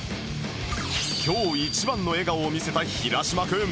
今日一番の笑顔を見せた平島君